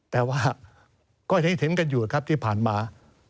แต่ว่าก็เห็นกันอยู่ครับที่ผ่านมา